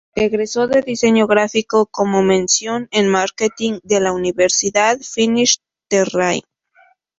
Egresó de diseño gráfico con mención en marketing de la Universidad Finis Terrae.